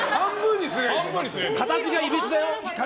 形がいびつだよ。